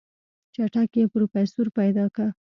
چټک پې پروفيسر پيدا که.